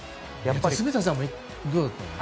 住田さん、どうだったの？